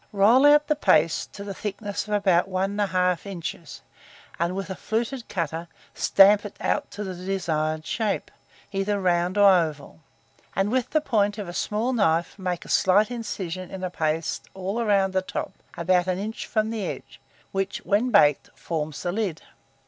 Roll out the paste to the thickness of about 1 1/2 inch, and, with a fluted cutter, stamp it out to the desired shape, either round or oval, and, with the point of a small knife, make a slight incision in the paste all round the top, about an inch from the edge, which, when baked, forms the lid.